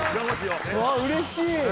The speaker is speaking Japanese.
うれしい。